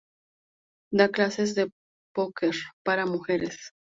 Da clases de póquer para mujeres.